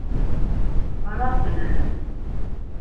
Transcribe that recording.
Var aqvineni?